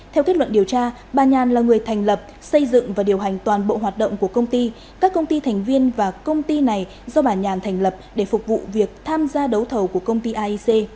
theo kết luận điều tra bà nhàn là người thành lập xây dựng và điều hành toàn bộ hoạt động của công ty các công ty thành viên và công ty này do bà nhàn thành lập để phục vụ việc tham gia đấu thầu của công ty aic